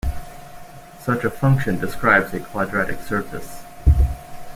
Such a function describes a quadratic surface.